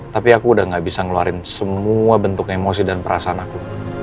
tapi aku udah gak bisa ngeluarin semua bentuk emosi dan perasaan aku